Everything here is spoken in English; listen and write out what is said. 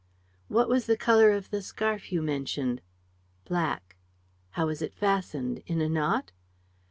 "What was the color of the scarf you mentioned?" "Black." "How was it fastened? In a knot?"